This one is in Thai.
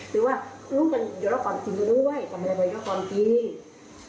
หรือว่าครูมันเยอะก่อนจริงกันด้วย